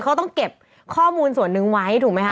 เค้าต้องเห็นข้อมูลสวนหนึ่งไว้